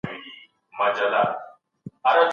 علامه رشاد یو پیاوړی شاعر او نثر لیکونکی وو.